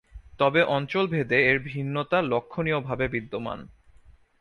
তবে অঞ্চলভেদে এর "ভিন্নতা" লক্ষণীয়ভাবে বিদ্যমান।